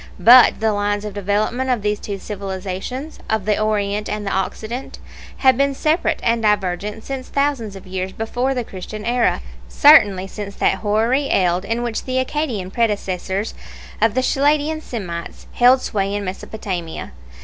But the lines of development of these two civilizations, of the Orient and the Occident, have been separate and divergent since thousands of years before the Christian era; certainly since that hoary eld in which the Akkadian predecessors of the Chaldean Semites held sway in Mesopotamia.